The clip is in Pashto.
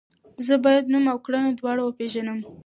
زه باید نوم او کړنه دواړه وپیژنم.